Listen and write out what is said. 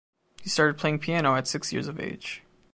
He started playing piano at six years of age.